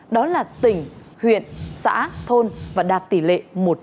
đó là tỉnh huyện xã thôn và đạt tỷ lệ một trăm linh